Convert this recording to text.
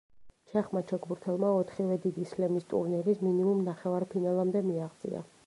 ჩეხმა ჩოგბურთელმა ოთხივე დიდი სლემის ტურნირის მინიმუმ ნახევარფინალამდე მიაღწია.